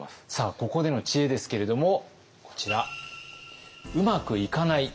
ここでの知恵ですけれどもこちら。